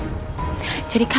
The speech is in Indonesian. kamu itu gak ada apa apa